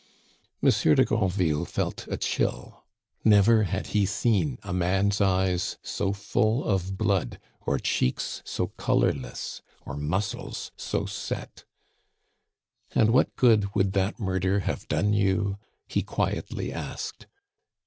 Monsieur de Granville felt a chill; never had he seen a man's eyes so full of blood, or cheeks so colorless, or muscles so set. "And what good would that murder have done you?" he quietly asked.